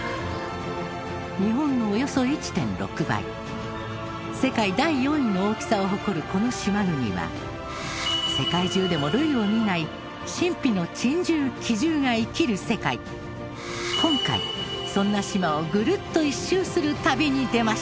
日本のおよそ１．６倍世界第４位の大きさを誇るこの島国は世界中でも類を見ない今回そんな島をぐるっと１周する旅に出ました。